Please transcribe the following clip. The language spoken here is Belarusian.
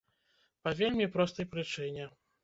Па вельмі простай прычыне.